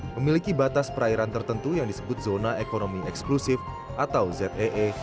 memiliki batas perairan tertentu yang disebut zona ekonomi eksklusif atau zee